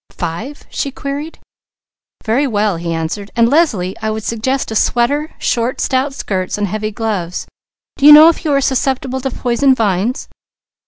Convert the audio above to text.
"Five?" she queried. "Very well!" he answered. "And Leslie, I would suggest a sweater, short stout skirts, and heavy gloves. Do you know if you are susceptible to poison vines?"